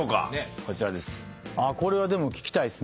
こちらです。